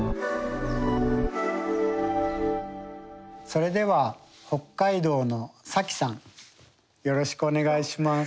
それでは北海道のｓａｋｉさんよろしくお願いします。